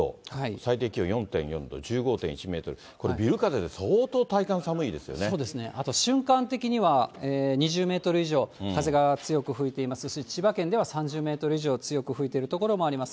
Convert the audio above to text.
最低気温４．４度、１５．１メートル、これ、そうですね、あと瞬間的には２０メートル以上風が強く吹いていますし、千葉県では３０メートル以上、強く吹いている所もあります。